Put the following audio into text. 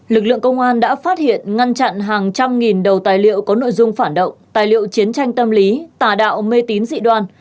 lực lượng công an đã phát hiện ngăn chặn hàng trăm nghìn đầu tài liệu có nội dung phản động tài liệu chiến tranh tâm lý tà đạo mê tín dị đoan